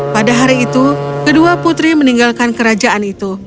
pada hari itu kedua putri meninggalkan kerajaan itu